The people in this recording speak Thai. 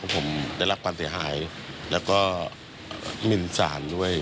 ผมได้รับความเสียหายแล้วก็มินสารด้วย